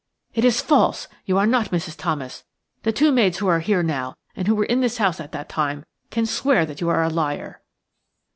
"It is false! You are not Mrs. Thomas. The two maids who are here now, and who were in this house at the time, can swear that you are a liar."